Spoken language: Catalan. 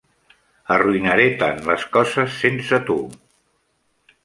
Arruïnaré tant les coses sense tu.